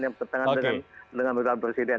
tidak ada keputusan yang dipertentangan dengan presiden